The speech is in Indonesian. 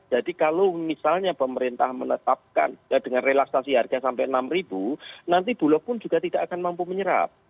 jadi kalau misalnya pemerintah menetapkan dengan relaksasi harga sampai rp enam nanti bulok pun juga tidak akan mampu menyerap